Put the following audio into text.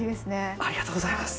ありがとうございます。